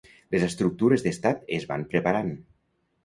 Les estructures d’estat es van preparant.